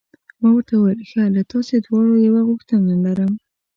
ما ورته وویل: ښه، له تاسي دواړو یوه غوښتنه لرم.